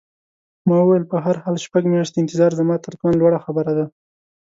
ما وویل: په هر حال، شپږ میاشتې انتظار زما تر توان لوړه خبره ده.